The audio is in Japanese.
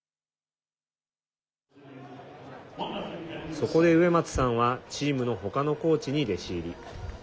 そこで植松さんはチームの他のコーチに弟子入り。